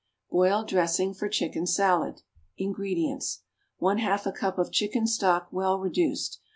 =Boiled Dressing for Chicken Salad.= INGREDIENTS. 1/2 a cup of chicken stock, well reduced.